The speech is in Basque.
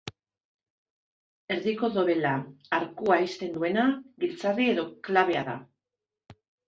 Erdiko dobela, arkua ixten duena, giltzarri edo klabea da.